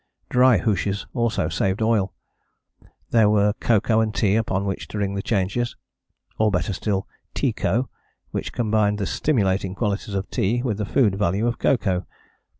Dry hooshes also saved oil. There were cocoa and tea upon which to ring the changes, or better still 'teaco' which combined the stimulating qualities of tea with the food value of cocoa.